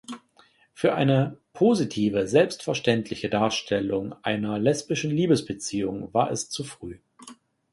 Für eine „positive, selbstverständliche Darstellung einer lesbischen Liebesbeziehung“ war es zu früh.